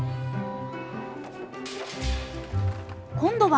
今度は。